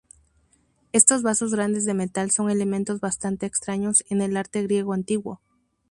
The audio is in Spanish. Estos vasos grandes de metal son elementos bastante extraños en el arte griego antiguo.